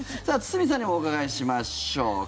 さあ、堤さんにもお伺いしましょう。